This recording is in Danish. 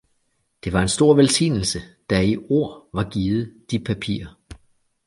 det var en stor velsignelse, der i ord var givet de papirer.